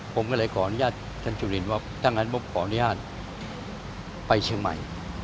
ผมก็เลยขออนุญาตท่านจุลินว่าถ้างั้นปุ๊บขออนุญาตไปเชียงใหม่